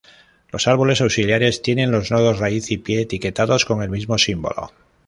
Los árboles auxiliares tienen los nodos raíz y pie etiquetados con el mismo símbolo.